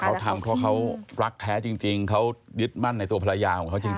เขาทำเพราะเขารักแท้จริงเขายึดมั่นในตัวภรรยาของเขาจริง